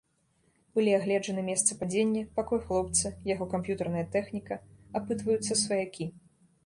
Былі агледжаны месца падзення, пакой хлопца, яго камп'ютарная тэхніка, апытваюцца сваякі.